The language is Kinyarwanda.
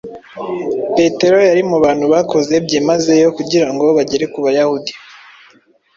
petero yari mu bantu bakoze byimazeyo kugira ngo bagere ku bayahudi